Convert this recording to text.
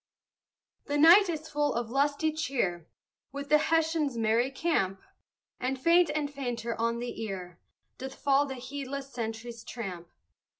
The night is full of lusty cheer Within the Hessians' merry camp; And faint and fainter on the ear Doth fall the heedless sentry's tramp.